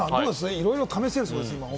いろいろ試せるそうです。